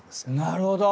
なるほど。